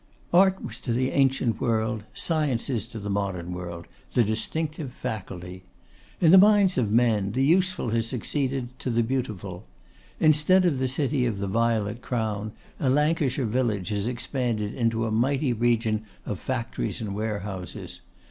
Art was to the ancient world, Science is to the modern: the distinctive faculty. In the minds of men the useful has succeeded to the beautiful. Instead of the city of the Violet Crown, a Lancashire village has expanded into a mighty region of factories and warehouses.